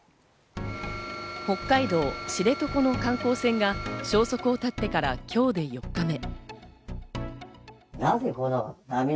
北海道、知床の観光船が消息を絶ってから今日で４日目。